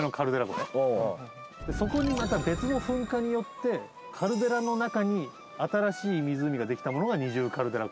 でそこにまた別の噴火によってカルデラの中に新しい湖ができたものが二重カルデラ湖。